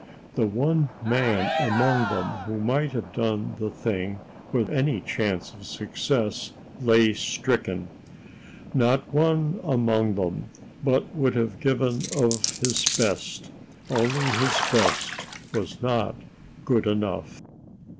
The one man among them who might have done the thing with any chance of success lay stricken. Not one among them but would have given of his best only his best was not good enough.